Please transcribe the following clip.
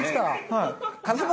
はい。